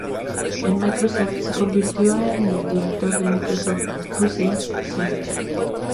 En Microsoft se convirtió en el director de Microsoft Business Solutions.